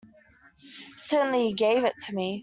Certainly he gave it to me.